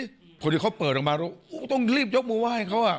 พิจารณาเขาเผยลงมาเราก็ต้องเร็บยกมือว่ายเขาฮุ